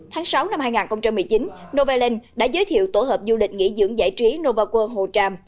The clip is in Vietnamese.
tháng sáu năm hai nghìn một mươi chín novaland đã giới thiệu tổ hợp du lịch nghỉ dưỡng giải trí novaworld hồ tràm